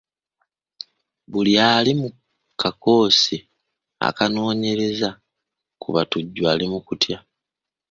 Buli ali mu kakoosi akanoonyereza ku batujju ali mu kutya.